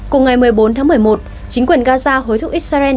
cùng ngày một mươi bốn tháng một mươi một chính quyền gaza hối thúc israel